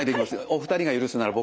お二人が許すなら僕